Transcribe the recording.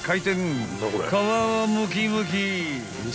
［皮をむきむき］